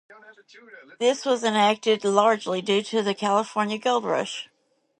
This was enacted largely due to the California Gold Rush.